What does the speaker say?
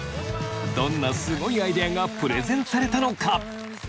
どんなすごいアイデアがプレゼンされたのか？